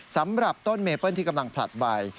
สำหรับต้นเมเปิ้ลที่กำลังผลัดใบ